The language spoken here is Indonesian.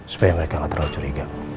supaya mereka gak terlalu curiga